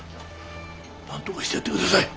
なんとかしてやって下さい。